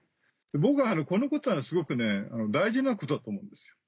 僕はこのことはすごく大事なことだと思うんです。